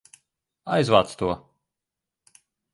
Aizvāc to!